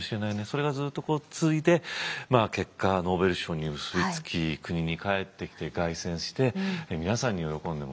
それがずっと続いて結果ノーベル賞に結び付き国に帰ってきて凱旋して皆さんに喜んでもらった。